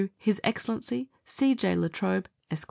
His Excellency C. J. La Trobe, Esq.